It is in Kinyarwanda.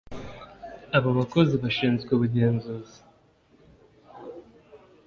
Aba bakozi bashinzwe ubugenzuzi